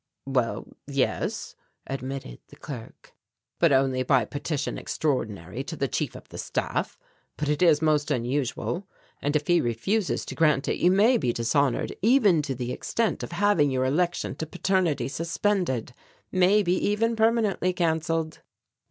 "Well, yes," admitted the clerk, "but only by Petition Extraordinary to the Chief of the Staff. But it is most unusual, and if he refuses to grant it you may be dishonoured even to the extent of having your election to paternity suspended, may be even permanently cancelled."